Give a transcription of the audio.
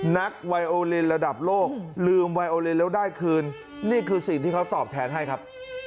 ไวโอเลนระดับโลกลืมไวโอเลนแล้วได้คืนนี่คือสิ่งที่เขาตอบแทนให้ครับ